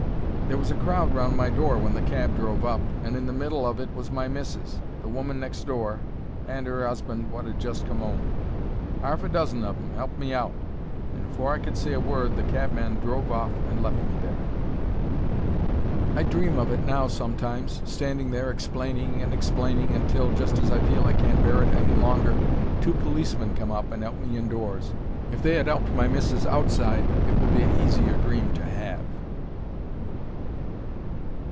There was a crowd round my door when the cab drove up, and in the middle of it was my missis, the woman next door, and 'er husband, wot 'ad just come 'ome. 'Arf a dozen of 'em helped me out, and afore I could say a word the cabman drove off and left me there. I dream of it now sometimes: standing there explaining and explaining, until, just as I feel I can't bear it any longer, two policemen come up and 'elp me indoors. If they had 'elped my missis outside it would be a easier dream to have.